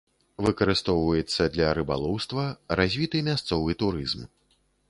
Выкарыстоўваецца для рыбалоўства, развіты мясцовы турызм.